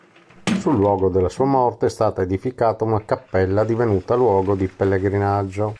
Sul luogo della sua morte è stata edificata una cappella divenuta luogo di pellegrinaggio.